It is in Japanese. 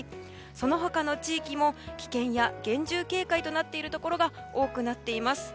その他の地域も危険や厳重警戒となっているところが多くなっています。